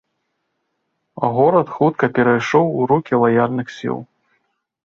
Горад хутка перайшоў у рукі лаяльных сіл.